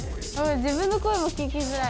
自分の声も聞きづらい。